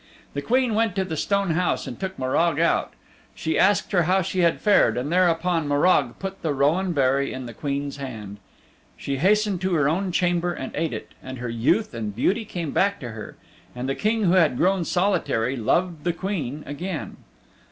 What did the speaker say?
The Queen went to the Stone House and took Morag out. She asked her how she had fared and thereupon Morag put the Rowan Berry in the Queen's hand. She hastened to her own chamber and ate it, and her youth and beauty came back to her, and the King who had grown solitary, loved the Queen again.